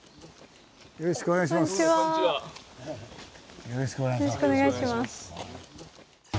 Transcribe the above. よろしくお願いします。